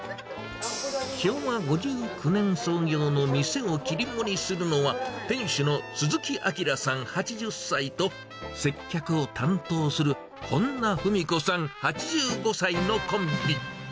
昭和５９年創業の店を切り盛りするのは、店主の鈴木明さん８０歳と、接客を担当する本名文子さん８５歳のコンビ。